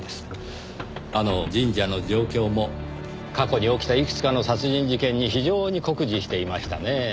あの神社の状況も過去に起きたいくつかの殺人事件に非常に酷似していましたねぇ。